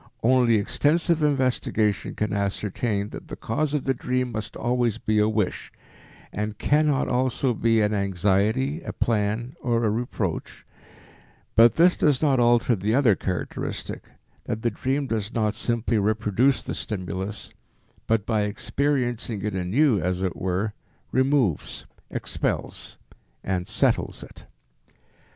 Only extensive investigation can ascertain that the cause of the dream must always be a wish, and cannot also be an anxiety, a plan or a reproach; but this does not alter the other characteristic, that the dream does not simply reproduce the stimulus but by experiencing it anew, as it were, removes, expells and settles it.